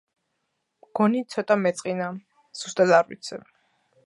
მგონი ცოტა მეწყინა, ზუსტად არ ვიცი.